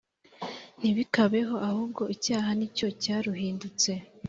Ntibikabeho ahubwo icyaha ni cyo cyaruhindutse